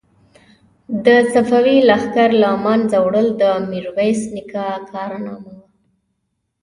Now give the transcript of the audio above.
د صفوي لښکر له منځه وړل د میرویس نیکه کارنامه وه.